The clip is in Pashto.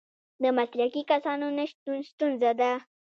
د مسلکي کسانو نشتون ستونزه ده.